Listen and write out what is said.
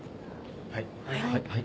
はい。